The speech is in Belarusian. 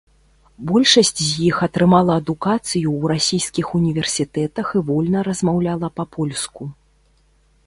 Большасць з іх атрымала адукацыю ў расійскіх універсітэтах і вольна размаўляла па-польску.